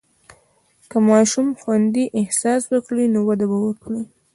که ماشوم خوندي احساس وکړي، نو وده به وکړي.